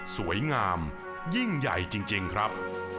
สวยงามยิ่งใหญ่จริงครับ